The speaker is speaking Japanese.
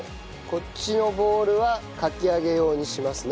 こっちのボウルはかき揚げ用にしますね。